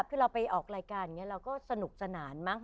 พี่เราไปออกรายการเราก็สนุกสนานมั้ง